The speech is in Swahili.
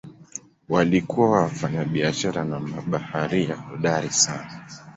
Walikuwa wafanyabiashara na mabaharia hodari sana.